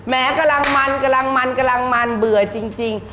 กำลังมันกำลังมันกำลังมันเบื่อจริง